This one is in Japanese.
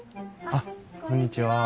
あっこんにちは。